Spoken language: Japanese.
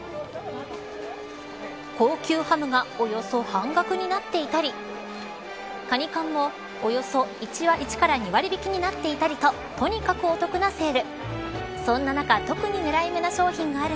高級ハムがおよそ半額になっていたりかに缶も、およそ１割引きから２割引きになっていたりととにかくお得なセール。